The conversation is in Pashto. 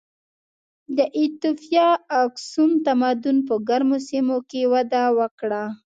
د ایتوپیا اکسوم تمدن په ګرمو سیمو کې وده وکړه.